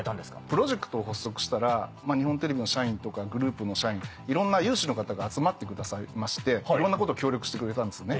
プロジェクトを発足したら日本テレビの社員とかグループの社員いろんな有志の方が集まってくださいましていろんなことを協力してくれたんですね。